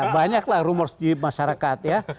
banyaklah rumor di masyarakat ya